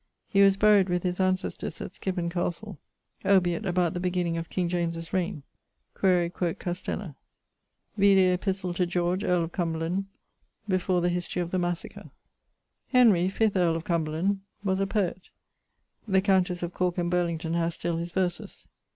He was buryed with his ancestors at Skippon Castle. Obiit about the beginning of King James's raigne. [XLVII.] Quaere quot castella. Vide epistle to George, earl of Cumberland, before the History of the Massacre. Henry, earl of Cumberland, was a poet; the countesse of Corke and Burlington haz still his verses.